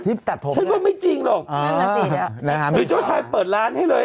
หรือเจ้าชายเปิดร้านให้เลย